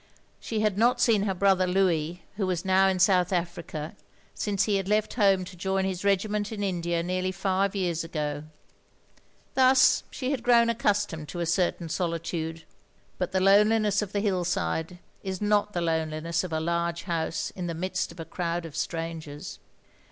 She had not seen her brother Louis, who was now in South Africa, since he had left home to join his regiment in India, nearly five years ago. Thus she had grown accustomed to a certain solitude; but the loneliness of the hillside is not the loneliness of a large house in the midst of a crowd of strangers.